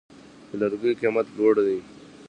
د لرګیو قیمت لوړ دی؟